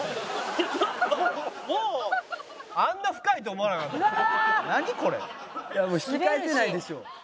いやもう引き返せないでしょ。